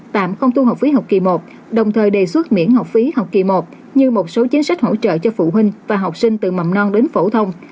tạm không thu học phí học kỳ một đồng thời đề xuất miễn học phí học kỳ một như một số chính sách hỗ trợ cho phụ huynh và học sinh từ mầm non đến phổ thông